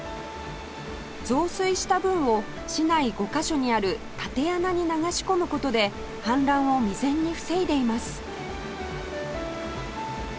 増水した分を市内５カ所にある竪穴に流し込む事で氾濫を未然に防いでいます